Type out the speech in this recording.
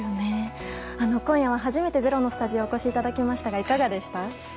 今夜は初めて「ｚｅｒｏ」のスタジオにお越しいただきましたがいかがでした？